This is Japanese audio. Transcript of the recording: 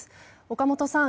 岡本さん